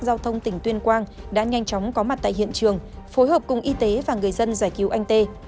giao thông tỉnh tuyên quang đã nhanh chóng có mặt tại hiện trường phối hợp cùng y tế và người dân giải cứu anh tê